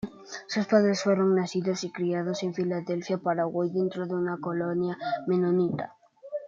Sus padres fueron nacidos y criados en Filadelfia, Paraguay, dentro de una colonia menonita.